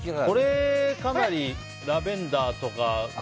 これ、かなりラベンダーとか。